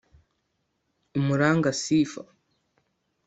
Umuranga Sifa